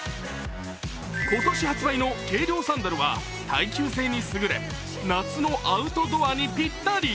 今年発売の軽量サンダルは耐久性に優れ夏のアウトドアにぴったり。